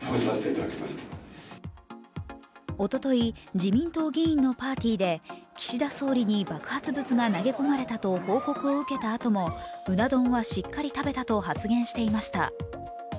おととい、自民党議員のパーティーで、岸田総理に爆発物が投げ込まれたと報告を受けたあともうな丼はしっかり食べたと発言していました。